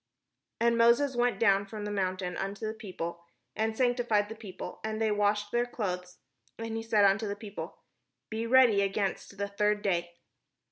And Moses went down from the mount unto the peo ple, and sanctified the people; and they washed their clothes. And he said unto the people :" Be ready against the third day."